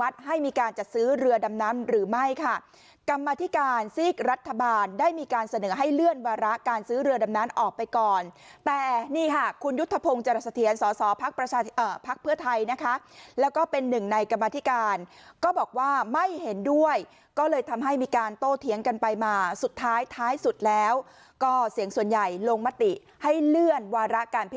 หรือไม่ค่ะกรรมธิการซีกรัฐบาลได้มีการเสนอให้เลื่อนวาระการซื้อเรือดำนั้นออกไปก่อนแต่นี่ค่ะคุณยุทธพงศ์จรสะเทียนสอสอพักประชาพักเพื่อไทยนะคะแล้วก็เป็นหนึ่งในกรรมธิการก็บอกว่าไม่เห็นด้วยก็เลยทำให้มีการโต้เถียงกันไปมาสุดท้ายท้ายสุดแล้วก็เสียงส่วนใหญ่ลงมติให้เลื่อนวาระการพิ